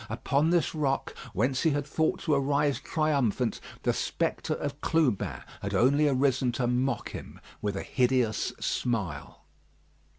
Upon this rock, whence he had thought to arise triumphant, the spectre of Clubin had only arisen to mock him with a hideous smile.